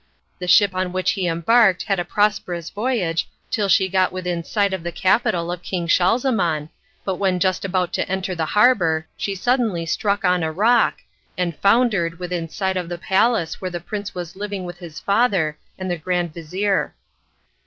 The ship on which he embarked had a prosperous voyage till she got within sight of the capital of King Schahzaman, but when just about to enter the harbour she suddenly struck on a rock, and foundered within sight of the palace where the prince was living with his father and the grand vizir.